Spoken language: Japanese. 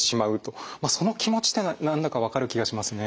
その気持ちというのは何だか分かる気がしますね。